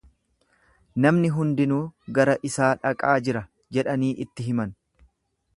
Namni hundinuu gara isaa dhaqaa jira jedhanii itti himan.